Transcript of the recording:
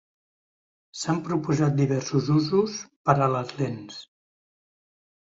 S"han proposat diversos usos per a les lents.